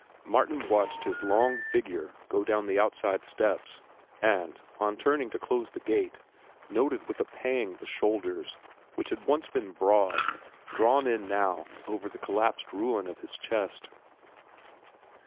Martin watched his long figure go down the outside steps, and, on turning to close the gate, noted with a pang the shoulders, which had once been broad, drawn in now over the collapsed ruin of the chest.